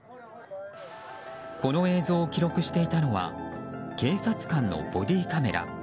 この映像を記録していたのは警察官のボディーカメラ。